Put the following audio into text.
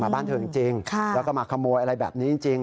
บ้านเธอจริงแล้วก็มาขโมยอะไรแบบนี้จริง